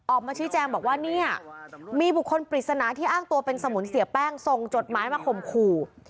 ออกมาชี้แจงบอกว่าเนี่ยมีบุคคลปริศนาที่อ้างตัวเป็นสมุนเสียแป้งส่งจดหมายมาข่มขู่